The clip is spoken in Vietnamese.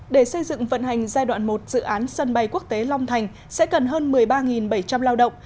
để xây dựng vận hành giai đoạn một dự án sân bay quốc tế long thành sẽ cần hơn một mươi ba bảy trăm linh lao động